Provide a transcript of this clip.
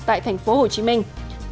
tại thành phố hồ chí minh